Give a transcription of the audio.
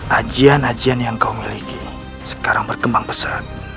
hajian hajian yang kau miliki sekarang berkembang besar